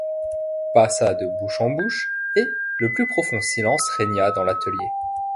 passa de bouche en bouche, et le plus profond silence régna dans l’atelier.